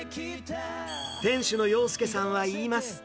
店主の洋介さんは言います。